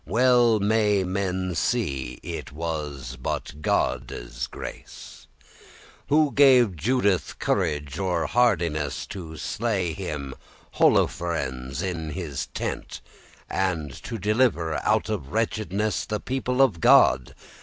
Well may men see it was but Godde's grace. Who gave Judith courage or hardiness To slay him, Holofernes, in his tent, And to deliver out of wretchedness The people of God?